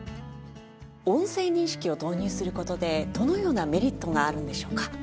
音声認識を導入する事でどのようなメリットがあるのでしょうか？